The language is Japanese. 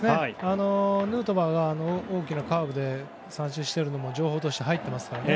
ヌートバーが大きなカーブで三振したのも情報として入ってますからね。